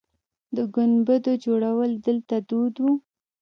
د ګنبدو جوړول دلته دود و